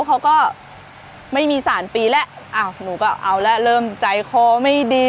เขาก็ไม่มีสามปีแล้วอ้าวหนูก็เอาแล้วเริ่มใจคอไม่ดี